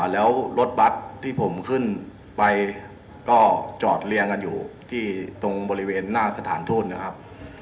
แล้วรถบัตรที่ผมขึ้นไปก็จอดเรียงกันอยู่ที่ตรงบริเวณหน้าสถานทูตนะครับ